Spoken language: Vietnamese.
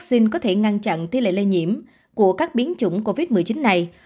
nhưng phát sinh có thể ngăn chặn tỷ lệ lây nhiễm của các biến chủng covid một mươi chín này